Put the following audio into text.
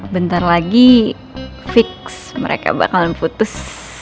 bentar lagi fix mereka bakalan putus